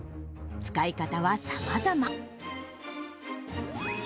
使い方はさまざま。